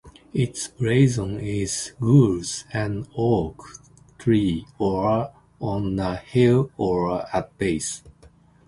Its blazon is: "Gules, an oak tree Or, on a hill Or at base".